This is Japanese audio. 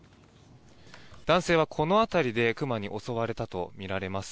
男性はこの辺りで熊に襲われたとみられます。